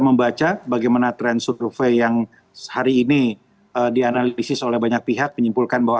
membaca bagaimana tren survei yang hari ini dianalisis oleh banyak pihak menyimpulkan bahwa